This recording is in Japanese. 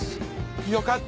よかった！